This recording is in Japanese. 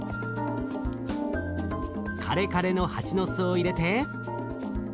カレカレのハチノスを入れて。